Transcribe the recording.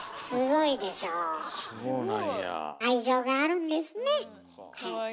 愛情があるんですね。